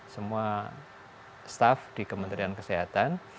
semua staff di kementerian kesehatan